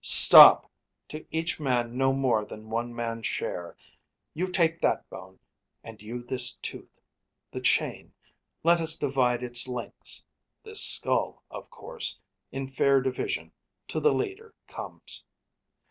Stop! to each man no more than one man's share. You take that bone, and you this tooth; the chain Let us divide its links; this skull, of course, In fair division, to the leader comes.